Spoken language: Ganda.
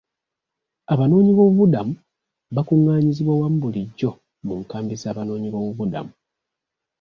Abanoonyiboobubudamu bakungaanyizibwa wamu bulijjo mu nkambi z'abanoonyiboobubudamu.